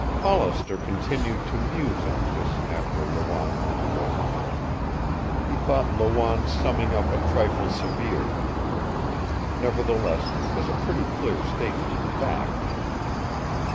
Hollister continued to muse on this after Lawanne went away. He thought Lawanne's summing up a trifle severe. Nevertheless it was a pretty clear statement of fact.